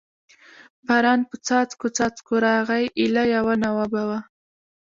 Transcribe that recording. باران په څاڅکو څاڅکو راغی، ایله یوه ناوه به و.